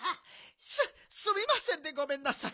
すっすみませんでごめんなさい。